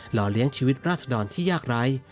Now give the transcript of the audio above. ห่อเลี้ยงชีวิตราชดรที่ยากไร้